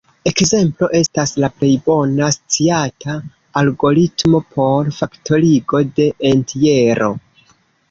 Ekzemplo estas la plej bona sciata algoritmo por faktorigo de entjero.